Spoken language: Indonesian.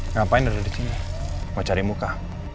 ngapain mereka disini mau cari muka